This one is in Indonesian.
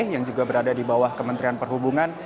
yang juga berada di bawah kementerian perhubungan